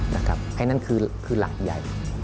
นะครับอันนั้นคือหลักใหญ่